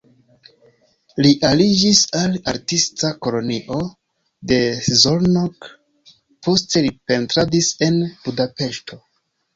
Li aliĝis al artista kolonio de Szolnok, poste li pentradis en Budapeŝto.